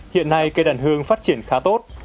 hiện nay cây đàn hương phát triển khá tốt